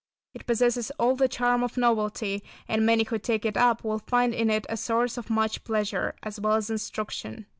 It possesses all the charm of novelty, and many who take it up will find in it a source of much pleasure as well as instruction.